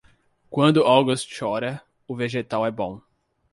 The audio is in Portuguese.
Quando August chora, o vegetal é bom.